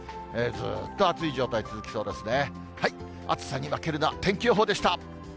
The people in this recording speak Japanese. ずーっと暑い状態続きそうですね。